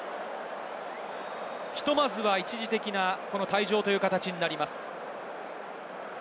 ひとまずは一時的な退場という形になりました。